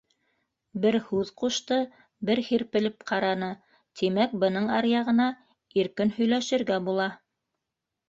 Бер һүҙ ҡушты, бер һирпелеп ҡараны, тимәк, бының аръяғына иркен һөйләшергә була.